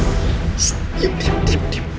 ssshhh diam diam diam